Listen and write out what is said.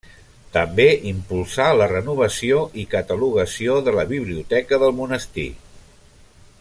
També impulsà la renovació i catalogació de la biblioteca del monestir.